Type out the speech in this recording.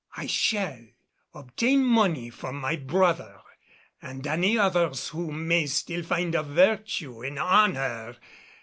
"I shall obtain money from my brother and any others who may still find a virtue in honor.